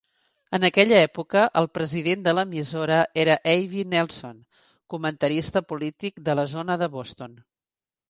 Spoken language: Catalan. En aquella època, el president de l'emissora era Avi Nelson, comentarista polític de la zona de Boston.